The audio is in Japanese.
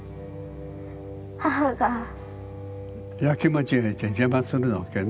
やきもちやいて邪魔するわけね。